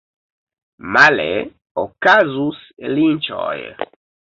Male okazus linĉoj.